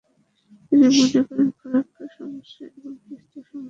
তিনি মনে করেন, ফারাক্কা সমস্যা এবং তিস্তা সমস্যার সমাধান করা দরকার।